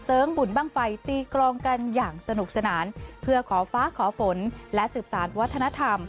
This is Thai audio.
บุญบ้างไฟตีกรองกันอย่างสนุกสนานเพื่อขอฟ้าขอฝนและสืบสารวัฒนธรรม